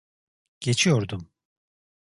Geçiyordum.